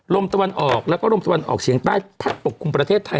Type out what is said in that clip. ลมตะวันออกแล้วก็ลมตะวันออกเฉียงใต้พัดปกคลุมประเทศไทย